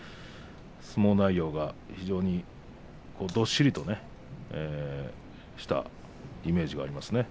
相撲の内容が非常にどっしりとしたイメージがありますね。